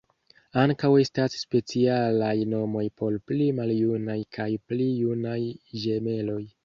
Ankaŭ estas specialaj nomoj por pli maljunaj kaj pli junaj ĝemeloj.